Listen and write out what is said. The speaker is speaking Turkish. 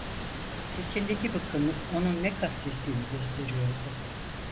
Sesindeki bıkkınlık onun ne kastettiğini gösteriyordu.